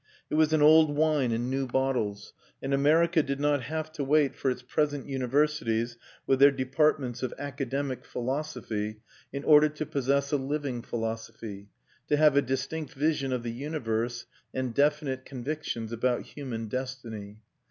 It was an old wine in new bottles; and America did not have to wait for its present universities, with their departments of academic philosophy, in order to possess a living philosophy to have a distinct vision of the universe and definite convictions about human destiny.